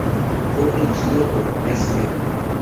Fue producido por Mess Media.